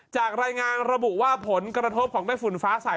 จากรายงานระบุว่าผลกระทบของแม่ฝุ่นฟ้าใส